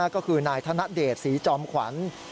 ก็คือนายธนเดชศรีจอมขวัญ